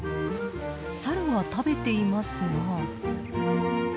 サルが食べていますが。